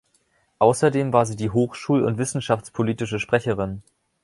Außerdem war sie hochschul- und wissenschaftspolitische Sprecherin.